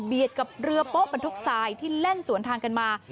กับเรือโป๊ะบรรทุกทรายที่แล่นสวนทางกันมา